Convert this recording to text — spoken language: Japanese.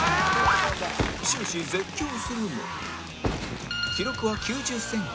終始絶叫するも記録は９０センチ